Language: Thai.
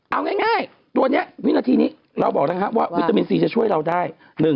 เอาง่ายตัวนี้วินาทีนี้เราบอกแล้วครับว่าวิตามินซีจะช่วยเราได้